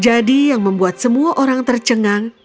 jadi yang membuat semua orang tercengang